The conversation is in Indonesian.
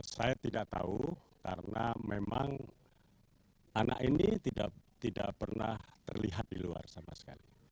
saya tidak tahu karena memang anak ini tidak pernah terlihat di luar sama sekali